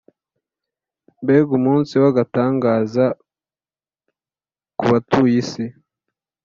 mbega umunsi w’agatangaza ku batuye isi!